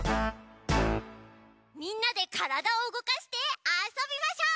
みんなでからだをうごかしてあそびましょう！